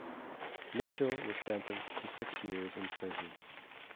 Mitchell was sentenced to six years in prison.